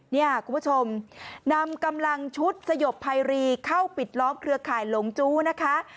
เนี่ยคุณผู้ชมนำกำลังชุดสยบภัยรีเข้าปิดล้อมเครือข่ายหลงจู้นะคะ